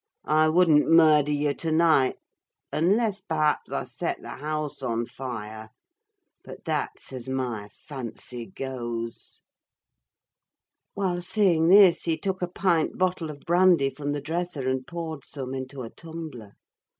I wouldn't murder you to night; unless, perhaps, I set the house on fire: but that's as my fancy goes." While saying this he took a pint bottle of brandy from the dresser, and poured some into a tumbler.